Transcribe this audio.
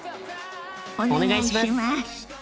お願いします。